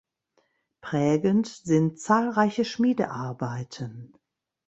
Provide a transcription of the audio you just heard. Prägend sind zahlreiche Schmiedearbeiten.